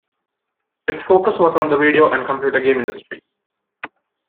Its focus was on the video and computer game industry.